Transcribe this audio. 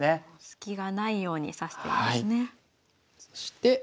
そして。